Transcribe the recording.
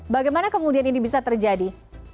bagaimana kemudian ini bisa terjadi